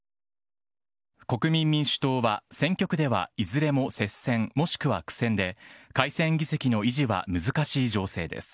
国民民主党は、選挙区ではいずれも接戦、もしくは苦戦で、改選議席の維持は難しい情勢です。